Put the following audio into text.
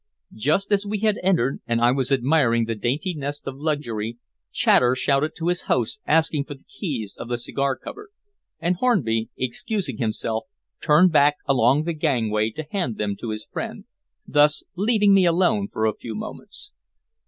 Just as we had entered, and I was admiring the dainty nest of luxury, Chater shouted to his host asking for the keys of the cigar cupboard, and Hornby, excusing himself, turned back along the gangway to hand them to his friend, thus leaving me alone for a few moments.